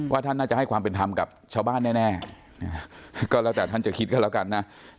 ท่านน่าจะให้ความเป็นธรรมกับชาวบ้านแน่ก็แล้วแต่ท่านจะคิดกันแล้วกันนะ